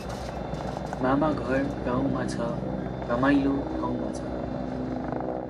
मामाघर गाउँमा छ, रमाइलो ठाउँमा छ ।